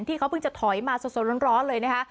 ที่เขาเพิ่งจะถอยมาสดร้อนเลยนะคะ